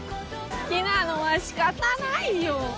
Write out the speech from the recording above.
「好きなのは仕方ないよ」